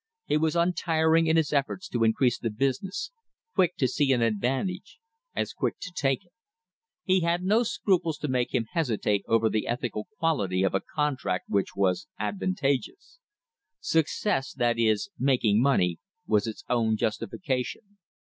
He was untiring in his efforts to increase the business, quick to see an advantage, as quick to take it. He had no scruples to make him hesitate over the ethical quality of a contract which was advantageous. Success, that is, making money, was its own justification.